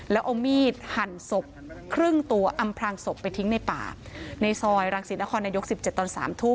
แล้วเอามีดหั่นศพครึ่งตัวอำพลางศพไปทิ้งในป่าในซอยรังสิตนครนายก๑๗ตอน๓ทุ่ม